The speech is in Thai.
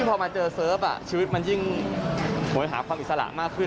พอมาเจอเซิร์ฟชีวิตมันยิ่งโหยหาความอิสระมากขึ้น